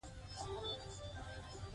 ده د سولهییز بدلون لپاره هڅې کړي.